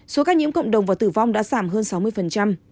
số ca nhiễm cộng đồng và tử vong đã giảm hơn sáu mươi